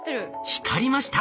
光りました。